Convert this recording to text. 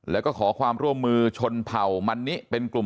แล้วก็ขอความร่วมมือชนเผ่ามันนิเป็นกลุ่ม